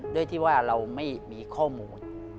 ด้วยที่ว่าเราไม่มีข้อมูล